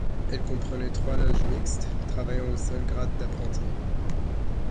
Elle comprenait trois loges mixtes travaillant au seul grade d'apprenti.